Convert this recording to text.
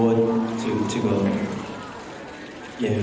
เราไม่ได้การแบบนี้